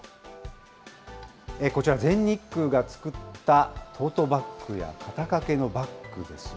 こちら、全日空が作ったトートバッグや肩掛けのバッグです。